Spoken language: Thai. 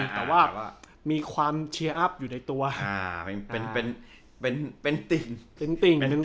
แต่ว่ามีความเชียร์อัพอยู่ในตัวอ่าเป็นเป็นเป็นเป็นติ่งเป็นติ่ง